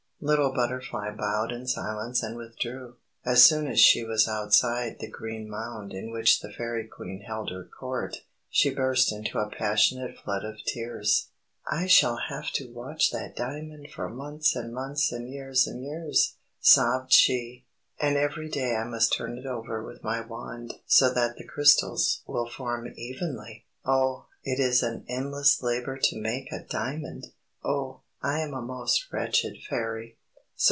Little Butterfly bowed in silence and withdrew. As soon as she was outside the green mound in which the Fairy Queen held her Court, she burst into a passionate flood of tears. "I shall have to watch that diamond for months and months and years and years," sobbed she, "and every day I must turn it over with my wand so that the crystals will form evenly! Oh, it is an endless labour to make a diamond! Oh, I am a most wretched Fairy!"